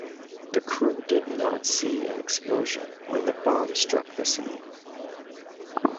The crew did not see an explosion when the bomb struck the sea.